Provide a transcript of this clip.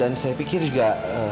dan saya pikir juga